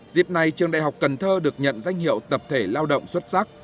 dịp này trường đại học cần thơ được nhận danh hiệu tập thể lao động xuất sắc